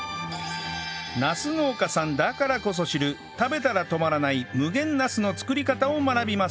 ナス農家さんだからこそ知る食べたら止まらない無限ナスの作り方を学びます